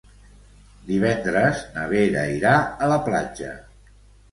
Divendres na Vera irà a la platja.